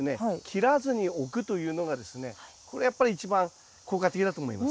切らずにおくというのがですねこれやっぱり一番効果的だと思います。